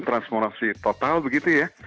transformasi total begitu ya